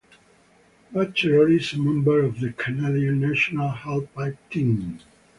Batchelor is a member of the Canadian National Halfpipe Team.